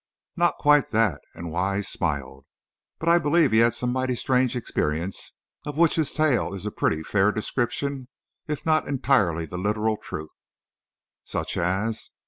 "Not quite that," and Wise smiled. "But I believe he had some mighty strange experience, of which his tale is a pretty fair description, if not entirely the literal truth." "Such as?"